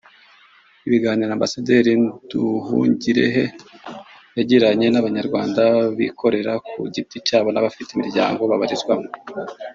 Ibiganiro Ambasaderi Nduhungirehe yagiranye n’abanyarwanda bikorera ku giti cyabo n’abafite imiryango babarizwamo